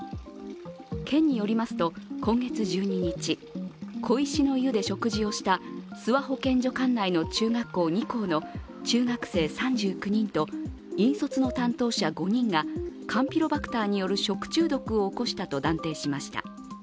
県によりますと、今月１２日小石の湯で食事をした諏訪保健所管内の中学校２校の中学生３９人と、引率の担当者５人がカンピロバクターによる食中毒を起こしたと断定しました。